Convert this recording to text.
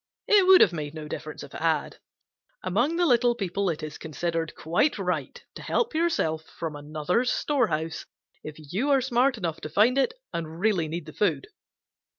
It would have made no difference if it had. Among the little people it is considered quite right to help yourself from another's storehouse if you are smart enough to find it and really need the food.